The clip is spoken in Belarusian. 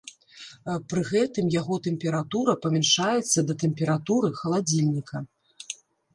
Пры гэтым яго тэмпература памяншаецца да тэмпературы халадзільніка.